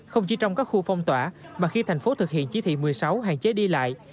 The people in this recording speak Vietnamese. không chỉ trong các khu phong tỏa mà khi thành phố thực hiện chỉ thị một mươi sáu hạn chế đi lại